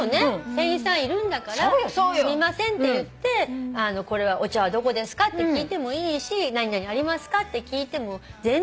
店員さんいるんだからすみませんって言ってお茶はどこですか？って聞いてもいいし何々ありますか？って聞いても全然いいと思う。